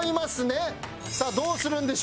さあどうするんでしょうか？